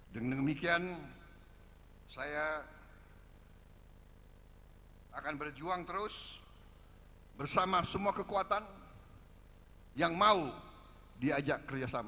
dengan demikian saya akan berjuang terus bersama semua kekuatan yang mau diajak kerjasama